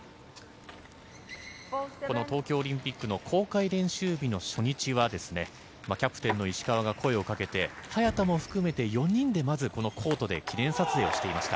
この東京オリンピックの公開練習日の初日はキャプテンの石川が声をかけて早田も含めて４人でまずこのコートで記念撮影をしていました。